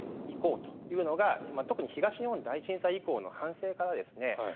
行こうというのが特に東日本大震災以降の反省からですね